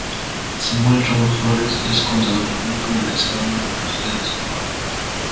Samuel Ramos Flores es Contador Público egresado de la Universidad de Sonora.